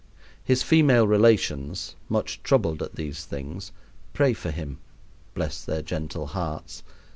His female relations, much troubled at these things, pray for him (bless their gentle hearts!)